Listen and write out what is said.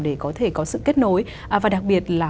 để có thể có sự kết nối và đặc biệt là